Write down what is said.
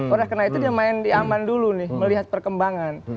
oleh karena itu dia main di aman dulu nih melihat perkembangan